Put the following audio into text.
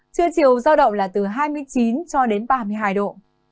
trưa chiều giao động là từ hai mươi chín cho đến ba mươi hai độ